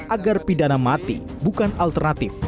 agar pidana mati bukan alternatif